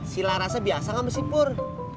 si larasnya biasa gak bersipur